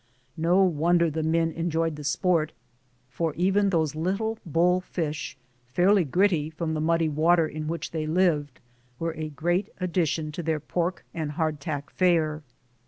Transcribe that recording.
No wonder the men enjoyed the sport, for even these little bull fish, fairly gritty from the muddy water in which they lived, were a great addition to their pork and hard tack fare.